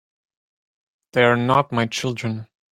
They're not my children.